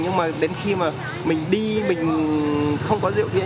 nhưng mà đến khi mà mình đi mình không có rượu bia